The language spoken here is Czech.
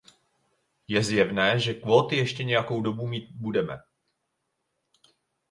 Je zjevné, že kvóty ještě nějakou dobu mít budeme.